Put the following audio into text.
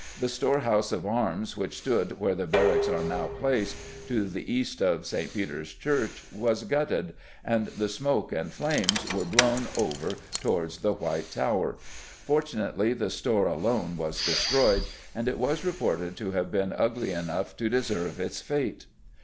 The storehouse of arms which stood where the barracks are now placed, to the east of St. Peter's Church, was gutted, and the smoke and flames were blown over towards the White Tower. Fortunately, the store alone was destroyed, and it was reported to have been ugly enough to deserve its fate.